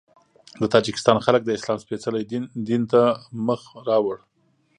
د تاجکستان خلک د اسلام سپېڅلي دین ته مخ راوړ.